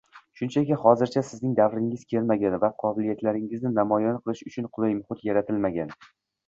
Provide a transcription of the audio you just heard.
Shunchaki, hozircha sizning davringiz kelmagan va qobiliyatlaringizni namoyon qilish uchun qulay muhit yaratilmagan